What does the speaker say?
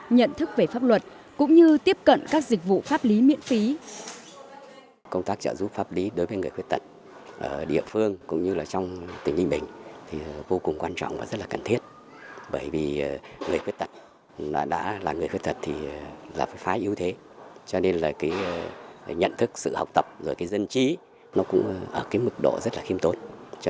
nhận thức về pháp luật cũng như tiếp cận các dịch vụ pháp lý miễn phí